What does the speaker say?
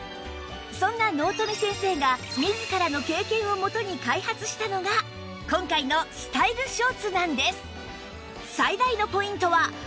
そんな納富先生が自らの経験をもとに開発したのが今回のスタイルショーツなんです